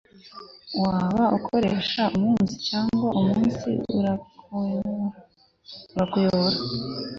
waba ukoresha umunsi, cyangwa umunsi urakuyobora